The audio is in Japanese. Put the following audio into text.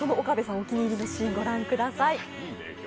お気に入りのシーン御覧ください。